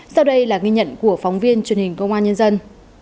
sau đây là ghi nhận của phóng viên truyền hình công an nhân dân